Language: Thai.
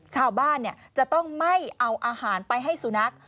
ชาวบ้านจะต้องไม่เอาอาหารไปให้สุนัข